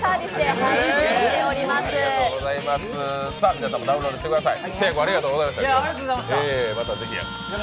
皆さんもダウンロードしてください。